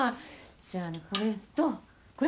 じゃあこれとこれ。